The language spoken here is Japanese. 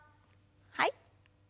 はい。